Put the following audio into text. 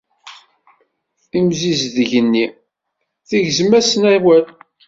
Timsizdegt-nni tegzem-asen awal.